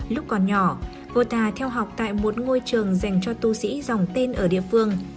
lúc còn nhỏ volta theo học tại một ngôi trường dành cho tu sĩ dòng tên ở địa phương